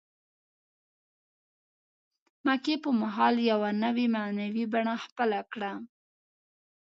مکې په مهال یوه نوې معنوي بڼه خپله کړه.